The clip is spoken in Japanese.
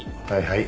はい。